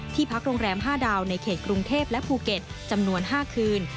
พักโรงแรม๕ดาวในเขตกรุงเทพและภูเก็ตจำนวน๕คืน